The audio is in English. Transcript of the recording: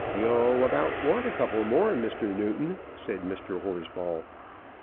"You'll about want a couple more, Mr. Newton," said Mr. Horsball.